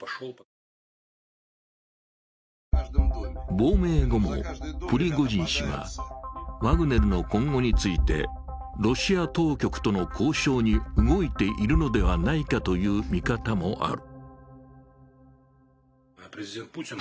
亡命後もプリゴジン氏はワグネルの今後についてロシア当局との交渉に動いているのではないかという見方もある。